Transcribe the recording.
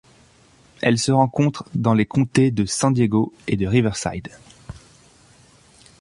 Elle se rencontre dans les comtés de San Diego et de Riverside.